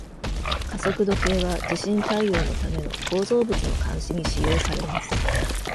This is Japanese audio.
加速度計は、地震対応のための構造物の監視に使用されます。